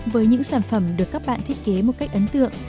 với những sản phẩm được các bạn thiết kế một cách ấn tượng